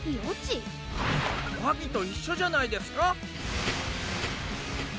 マギと一緒じゃないですか。